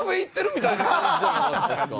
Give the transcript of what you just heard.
みたいな感じじゃなかったですか？